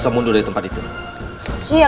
namun aku sering meneverifikasi